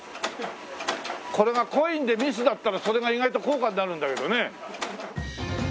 これがコインでミスだったらそれが意外と高価になるんだけどね。